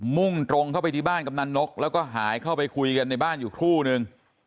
มุ่งตรงเข้าไปที่บ้านกำนันนกแล้วก็หายเข้าไปคุยกันในบ้านอยู่ครู่นึง